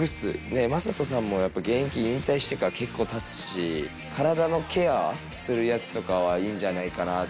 魔裟斗さんも現役引退してから結構たつし体のケアするやつとかはいいんじゃないかな。